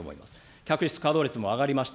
客室稼働率も上がりました。